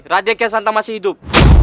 raden kian satang masih hidup